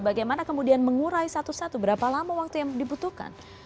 bagaimana kemudian mengurai satu satu berapa lama waktu yang dibutuhkan